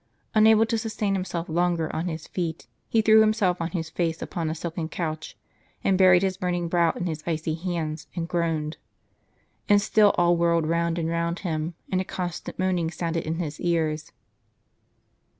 Unable to sustain himself longer on his feet, he threw himself on his face upon a silken couch, and buried his burning brow in his icy hands, and groaned. And still all whirled round and round him, and a constant moaning sounded in his ears.